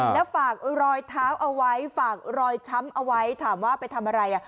แล้วฝากรอยเท้าเอาไว้ฝากรอยช้ำเอาไว้ถามว่าไปทำอะไร